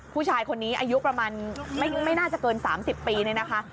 ผู้ชายคนนี้อายุประมาณไม่น่าจะเกิน๓๐ปีเนี่ยนะคะ